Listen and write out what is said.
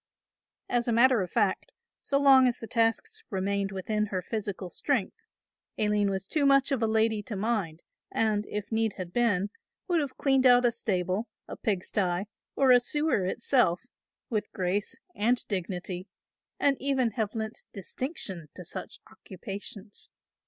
As a matter of fact, so long as the tasks remained within her physical strength, Aline was too much of a lady to mind and, if need had been, would have cleaned out a stable, a pigsty or a sewer itself, with grace and dignity and even have lent distinction to such occupations.